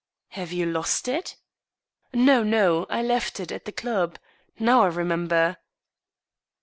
"Have you lost it?" " No — no. I left it at the club. Now I remember."